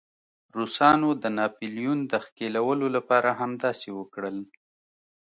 روسانو د ناپلیون د ښکېلولو لپاره همداسې وکړل.